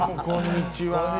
こんにちは。